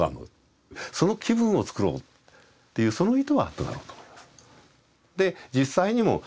その気分を作ろうっていうその意図はあっただろうと思います。